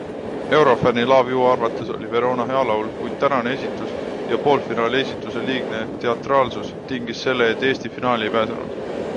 Eurofänni LoveU arvates oli Verona hea laul, kuid tänane esitus ja poolfinaali esituse liigne teatraalsus tingis selle, et Eesti finaali ei pääsenud.